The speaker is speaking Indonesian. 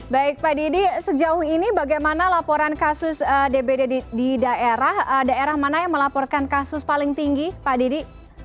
baik pak didi sejauh ini bagaimana laporan kasus dbd di daerah daerah mana yang melaporkan kasus paling tinggi pak didi